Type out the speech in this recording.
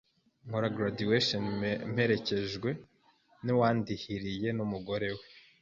nkora graduation mperekejwe n’uwandihiriye n‘umugore we